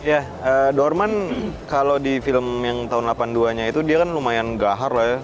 ya dorman kalau di film yang tahun seribu sembilan ratus dua nya itu dia kan lumayan gahar lah ya